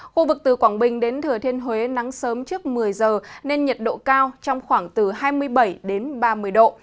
khu vực từ quảng bình đến thừa thiên huế nắng sớm trước một mươi giờ nên nhiệt độ cao trong khoảng từ hai mươi bảy đến ba mươi độ